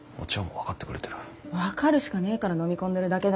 分かるしかねぇから飲み込んでるだけだに。